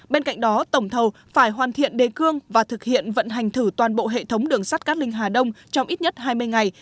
bên cạnh đó tổng thầu phải hoàn thiện đề cương và thực hiện vận hành thử toàn bộ hệ thống đường sắt cát linh hà đông trong ít nhất hai mươi ngày